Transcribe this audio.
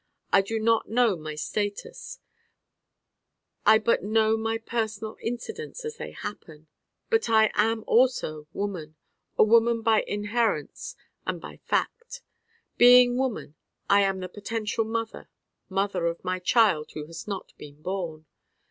I do not know my status I but know my personal incidents as they happen. But I am also woman: a woman by inherence and by fact. Being woman I am the potential mother, mother of my Child who has not been born.